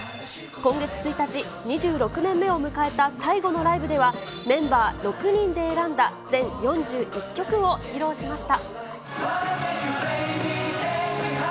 今月１日、２６年目を迎えた最後のライブでは、メンバー６人で選んだ全４１曲を披露しました。